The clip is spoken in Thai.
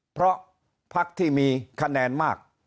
เพราะสุดท้ายก็นำไปสู่การยุบสภา